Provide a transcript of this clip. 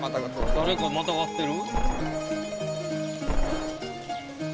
誰かまたがってる？